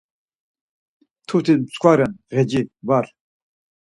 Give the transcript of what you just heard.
Mtuti mskva ren, ğeci var.